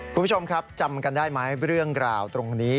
คุณผู้ชมครับจำกันได้ไหมเรื่องราวตรงนี้